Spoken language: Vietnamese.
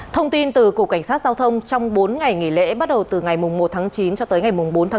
thông tin từ cục cảnh sát giao thông trong bốn ngày nghỉ lễ bắt đầu từ ngày một tháng chín cho tới ngày bốn tháng chín